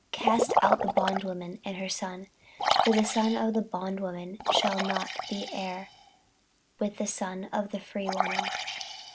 Cast out the bondwoman and her son: for the son of the bondwoman shall not be heir with the son of the freewoman.